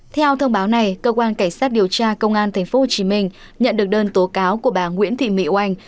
theo thông báo này cơ quan cảnh sát điều tra công an tp hcm nhận được đơn tố cáo của bà nguyễn thị mỹ oanh